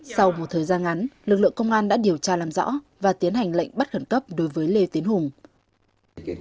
sau một thời gian ngắn lực lượng công an đã điều tra làm rõ và tiến hành lệnh bắt khẩn cấp đối với lê tiến hùng